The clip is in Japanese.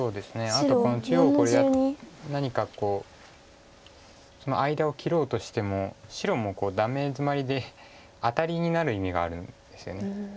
あと中央何かこうその間を切ろうとしても白もダメヅマリでアタリになる意味があるんですよね。